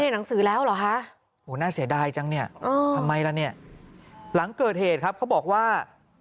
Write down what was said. หนังสือแล้วเหรอคะโหน่าเสียดายจังเนี่ยทำไมล่ะเนี่ยหลังเกิดเหตุครับเขาบอกว่า